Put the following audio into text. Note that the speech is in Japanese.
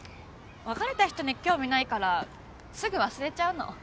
別れた人に興味ないからすぐ忘れちゃうの。